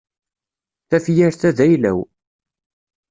Tafyirt-a d ayla-w.